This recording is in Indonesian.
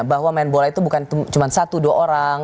bahwa main bola itu bukan cuma satu dua orang